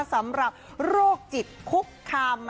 สำหรับโรคจิตคุกคาม